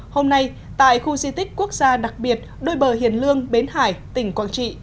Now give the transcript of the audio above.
hôm nay tại khu di tích quốc gia đặc biệt đôi bờ hiền lương bến hải tỉnh quảng trị